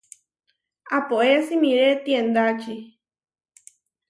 Apoé simiré tiendači.